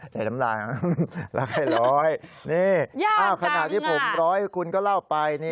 ใจน้ำลายรักให้ร้อยนี่ยากต่างอ้าวขณะที่ผมร้อยคุณก็เล่าไปนี่